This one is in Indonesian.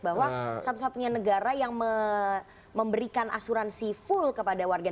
bahwa satu satunya negara yang memberikan asuransi full kepada warga